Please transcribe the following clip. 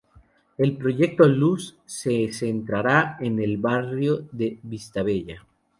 El proyecto "Luz" se centrará en el Barrio de Vistabella.